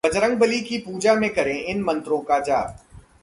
बजरंगबली की पूजा में करें इन मंत्रों का जाप